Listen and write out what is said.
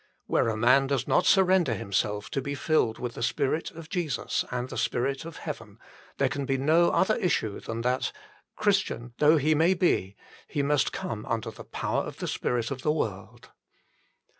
Where a man does not surrender himself to be filled with the Spirit of Jesus and the Spirit of heaven, there can be no other issue than that, Christian though he may be, he must come under the power of the spirit of the world.